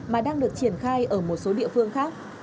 mà đang được triển khai ở một số địa phương khác